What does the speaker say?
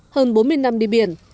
hơn bốn mươi năm đi biển